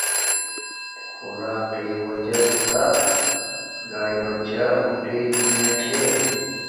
خوراک قݵ واجس تا گاݵے بچھا بوٹے جینے چھے